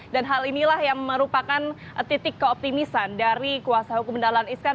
dan hal inilah yang merupakan titik keoptimisan dari kuasa hukum dahlan iskan